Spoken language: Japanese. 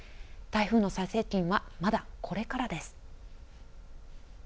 台風の最接近はまだこれからです。